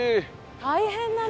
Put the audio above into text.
大変だな。